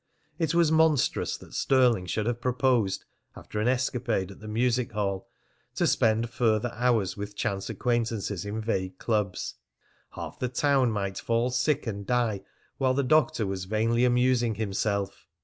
It was monstrous that Stirling should have proposed, after an escapade at the music hall, to spend further hours with chance acquaintances in vague clubs! Half the town might fall sick and die while the doctor was vainly amusing himself.